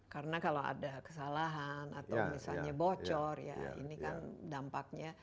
karena kalau ada kesalahan atau misalnya bocor ya ini kan dampaknya